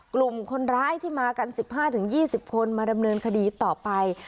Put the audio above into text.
กลุ่มคนร้ายที่มากัน๑๕๒๐คนมาดำเนินคดีต่อไป